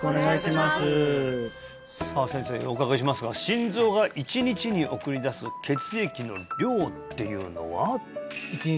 お伺いしますが心臓が１日に送り出す血液の量っていうのは？